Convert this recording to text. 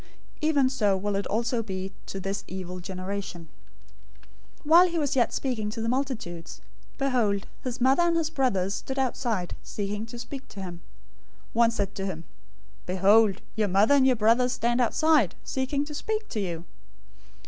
Even so will it be also to this evil generation." 012:046 While he was yet speaking to the multitudes, behold, his mother and his brothers stood outside, seeking to speak to him. 012:047 One said to him, "Behold, your mother and your brothers stand outside, seeking to speak to you."